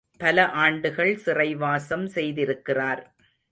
பல ஆண்டுகள் சிறைவாசம் செய்திருக்கிறார்.